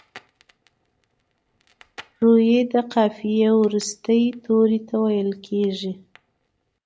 روي د قافیې وروستي توري ته ویل کیږي.